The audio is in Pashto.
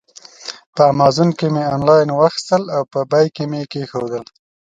په امازان کې مې آنلاین واخیستل او په بیک کې مې کېښودل.